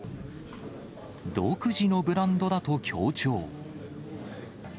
独自のブランドだと強調。